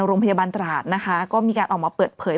โรงพยาบาลตราดนะคะก็มีการออกมาเปิดเผย